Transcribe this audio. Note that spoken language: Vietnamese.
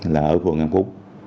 là ở quận ngân phú